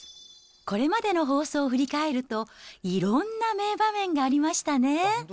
これまでの放送を振り返ると、いろんな名場面がありましたね。